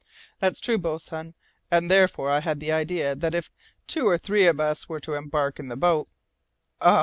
"That's true, boatswain. And therefore I had the idea that if two or three of us were to embark in the boat " "Ah!